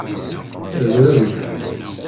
Drem.